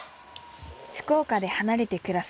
福岡で離れて暮らす